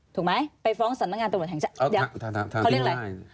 ถูกไหมไปฟ้องสำนักงานตรวจแห่งชาติ